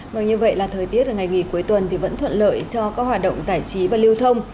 vâng như vậy là thời tiết là ngày nghỉ cuối tuần thì vẫn thuận lợi cho các hoạt động giải trí và lưu thông